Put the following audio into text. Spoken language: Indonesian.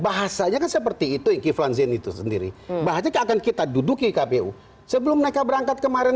bahasanya seperti itu itu sendiri bahasanya akan kita duduk di kpu sebelum mereka berangkat kemarin